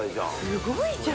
すごいじゃん。